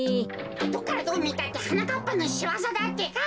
どっからどうみたってはなかっぱのしわざだってか。